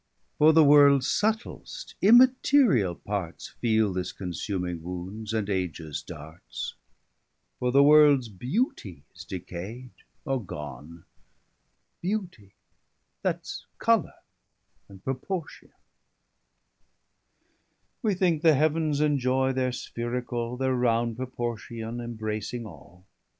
For the worlds subtilst immateriall parts Feele this consuming wound, and ages darts. For the worlds beauty is decai'd, or gone, [Sidenote: Disformity of parts.] Beauty, that's colour, and proportion. 250 We thinke the heavens enjoy their Sphericall, Their round proportion embracing all.